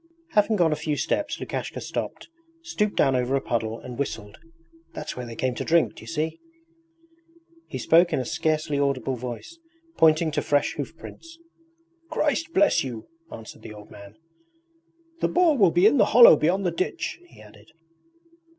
Having gone a few steps Lukashka stopped, stooped down over a puddle, and whistled. 'That's where they come to drink, d'you see?' He spoke in a scarcely audible voice, pointing to fresh hoof prints. 'Christ bless you,' answered the old man. 'The boar will be in the hollow beyond the ditch,' he added.